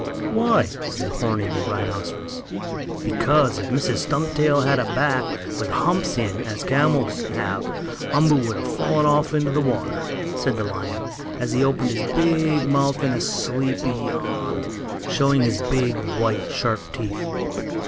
"Why?" asked Horni, the rhinoceros. "Because, if Mrs. Stumptail had a back, with humps in, as the camels have, Umboo would have fallen off into the water," said the lion, as he opened his big mouth in a sleepy yawn, showing his big, white, sharp teeth.